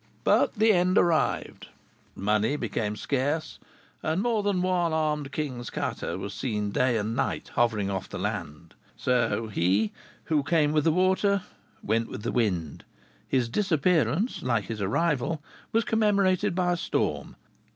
But the end arrived. Money became scarce, and more than one armed king's cutter was seen day and night hovering off the land. So he "who came with the water went with the wind." His disappearance, like his arrival, was commemorated by a storm.